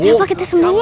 ya pak kita sembunyi